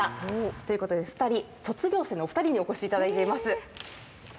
ということで卒業生の２人にお越しいただいています。